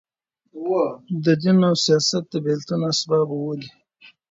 د دین او سیاست د بېلتون اسباب اووه دي.